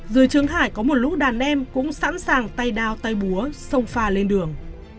dưới trường hải có một lũ đàn em cũng sẵn sàng tay đao tay búa xông pha lên đường